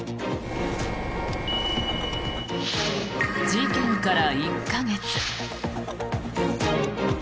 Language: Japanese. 事件から１か月。